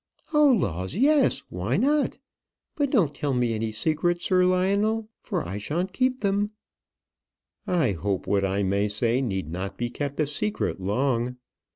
"Oh laws, yes; why not? But don't tell me any secrets, Sir Lionel; for I shan't keep them." "I hope what I may say need not be kept a secret long.